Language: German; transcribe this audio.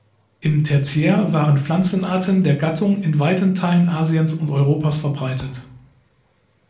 Im Tertiär waren Pflanzenarten der Gattung in weiten Teilen Asiens und Europas verbreitet.